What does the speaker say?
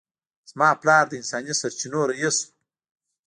زما پلار د انساني سرچینو رییس و